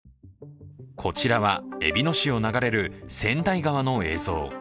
こちらは、えびの市を流れる川内川の映像。